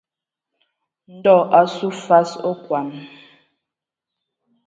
Ndɔ a azu fas okɔn.